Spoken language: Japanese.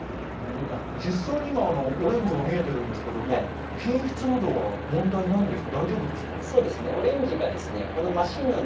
実際に今、オレンジも見えてるんですけれども、品質は問題ないんですか？